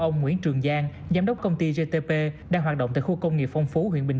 ông nguyễn trường giang giám đốc công ty gtp đang hoạt động tại khu công nghiệp phong phú huyện bình